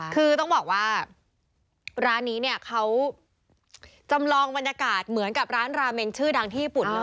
คือต้องบอกว่าร้านนี้เนี่ยเขาจำลองบรรยากาศเหมือนกับร้านราเมนชื่อดังที่ญี่ปุ่นเลย